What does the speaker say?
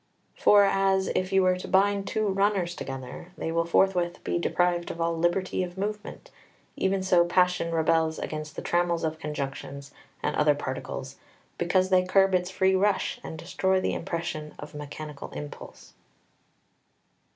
2 For as, if you were to bind two runners together, they will forthwith be deprived of all liberty of movement, even so passion rebels against the trammels of conjunctions and other particles, because they curb its free rush and destroy the impression of mechanical impulse.